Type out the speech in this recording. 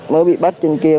mới bị bắt trên kia